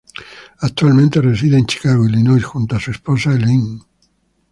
Actualmente reside en Chicago, Illinois, junto a su esposa Elaine.